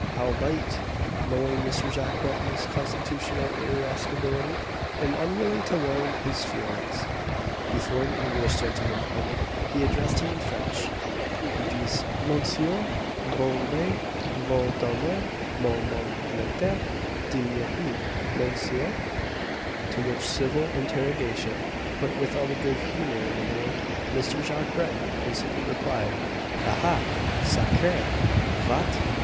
Howbeit, knowing Mr. Jacques Breton's constitutional irascibility, and unwilling to wound his feelings before the English gentlemen present, he addressed him in French, viz., "Monsieur voulez vous donner moi mon leetel demiécu, monsieur?" To which civil interrogation put with all the good humour in the world Mr. Jacques Breton instantly replied, "_Ahah! sacré! vat?